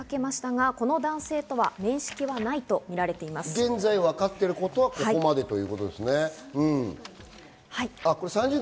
現在、分かっていることはここまでということです。